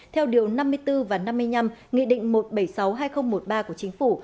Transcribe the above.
theo điều năm mươi bốn và năm mươi năm nghị định một trăm bảy mươi sáu hai nghìn một mươi ba của chính phủ